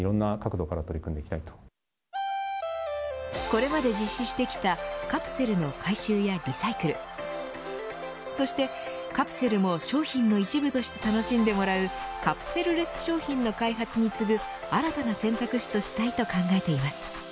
これまで実施してきたカプセルの回収やリサイクルそしてカプセルも商品の一部として楽しんでもらうカプセルレス商品の開発に次ぐ新たな選択肢としたいと考えています。